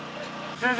先生。